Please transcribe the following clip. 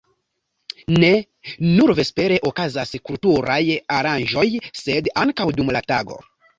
Ne nur vespere okazas kulturaj aranĝoj, sed ankaŭ dum la tago.